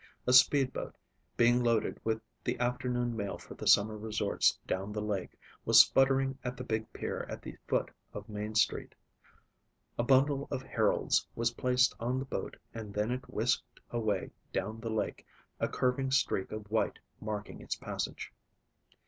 A speed boat, being loaded with the afternoon mail for the summer resorts down the lake, was sputtering at the big pier at the foot of main street. A bundle of Heralds was placed on the boat and then it whisked away down the lake, a curving streak of white marking its passage.